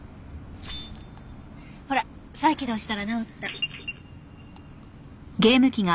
ほら再起動したら直った。